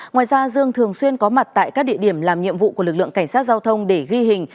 ngoài ra dương thường xuyên có mặt tại các địa điểm làm nhiệm vụ của lực lượng cảnh sát giao thông để ghi hình